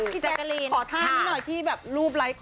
พี่แซคการีนขอท่านิดหน่อยที่แบบรูปไลค์ของ